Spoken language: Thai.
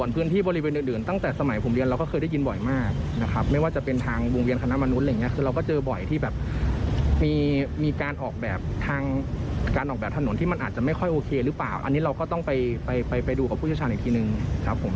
พูดชอบอีกทีหนึ่งครับผม